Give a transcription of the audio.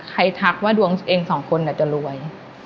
ใครทักว่าดวงเองสองคนน่ะจะรวย